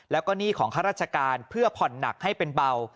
แล้วก็หนี้ของข้าราชการเพื่อผ่อนหนักให้เป็นเบา